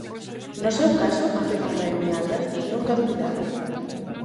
No seu caso, afirma Noemí Álvarez, nunca dubidaron.